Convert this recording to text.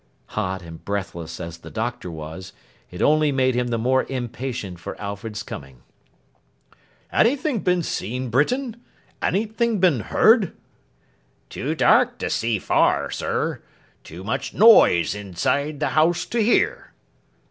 Hot and breathless as the Doctor was, it only made him the more impatient for Alfred's coming. 'Anything been seen, Britain? Anything been heard?' 'Too dark to see far, sir. Too much noise inside the house to hear.